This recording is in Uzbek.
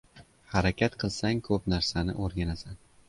• Harakat qilsang ko‘p narsani o‘rganasan.